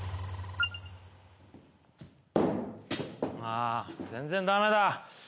あ全然ダメだ。